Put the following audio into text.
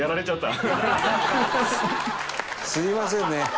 すみませんね。